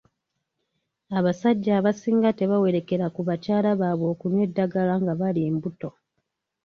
Abasajja abasinga tebawerekera ku bakyala baabwe okunywa eddagala nga bali mbuto.